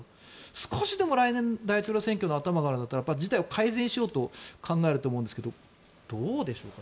少しでも、来年の大統領選挙に出るんだったら事態を改善しようと考えると思うんですがどうでしょうかね。